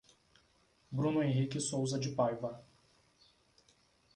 Bruno Henrique Souza de Paiva